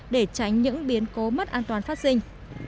để tránh những biến cố mất an toàn phát sinh